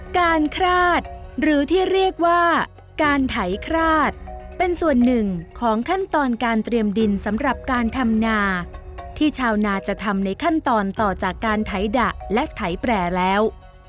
คราดหรือที่เรียกว่าการไถคราดเป็นส่วนหนึ่งของขั้นตอนการเตรียมดินสำหรับการทำนาที่ชาวนาจะทำในขั้นตอนต่อจากการไถดะและไถแปรแล้ว